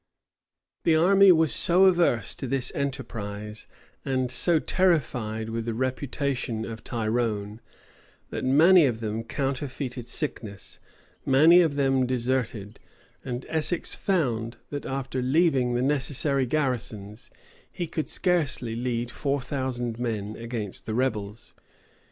The army was so averse to this enterprise, and so terrified with the reputation of Tyrone, that many of them counterfeited sickness, many of them deserted;[*] and Essex found, that after leaving the necessary garrisons, he could scarcely lead four thousand men against the rebels.